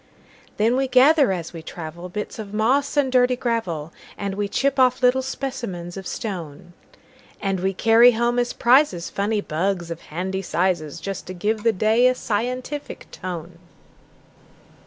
Then we gather as we travel, Bits of moss and dirty gravel, And we chip off little specimens of stone; And we carry home as prizesFunny bugs, of handy sizes, Just to give the day a scientific tone.